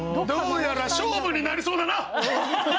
どうやら勝負になりそうだな！